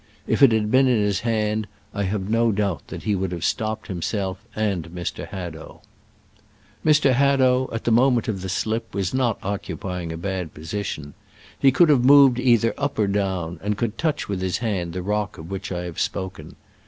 If it had been in his hand I have no doubt that he would have stop ped himself and Mr. Hadow. Mr. Hadow, at the moment of the slip, was not oc cupying a bad position. He could have moved either up or down, and could touch with his hand the rock of which I have spoken.